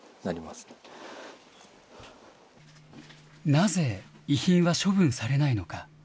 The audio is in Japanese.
なぜ、遺品は処分されないのか。